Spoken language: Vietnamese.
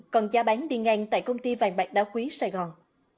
còn giá bán đi ngang tại công ty vàng bạc đá quý sài gòn